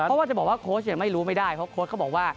เพราะว่าจะบอกว่าโค้ชเนี่ยไม่รู้ไม่ได้เพราะโค้ดเขาบอกว่า